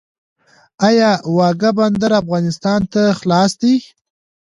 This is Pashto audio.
آیا واګه بندر افغانستان ته خلاص دی؟